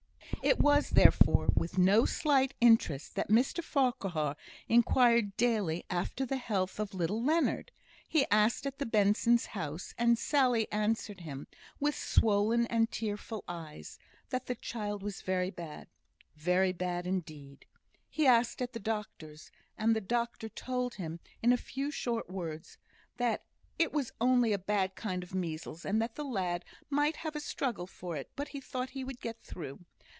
It was, therefore, with no slight interest that Mr Farquhar inquired daily after the health of little Leonard. He asked at the Bensons' house; and Sally answered him, with swollen and tearful eyes, that the child was very bad very bad indeed. He asked at the doctor's; and the doctor told him, in a few short words, that "it was only a bad kind of measles, and that the lad might have a struggle for it, but he thought he would get through.